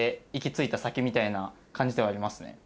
みたいな感じではありますね。